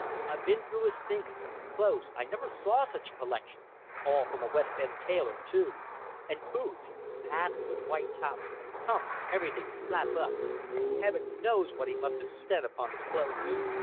I've been through his things. Clothes! I never saw such a collection. All from a West End tailor, too! And boots! Patent, with white tops; pumps, everything slap up! Heaven knows what he must have spent upon his clothes.